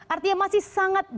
artinya masih sangat